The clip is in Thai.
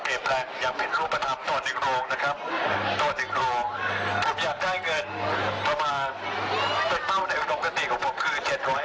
ผมอยากได้เงินประมาณเป็นเป้าในธุรกฎีของผมคือ